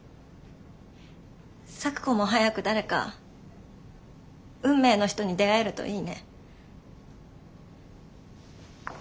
咲子も早く誰か運命の人に出会えるといいね。